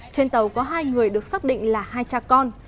trên tàu có hai người được xác định là hai cha con